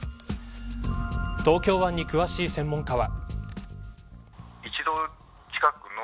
東京湾に詳しい専門家は。